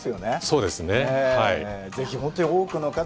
そうですね。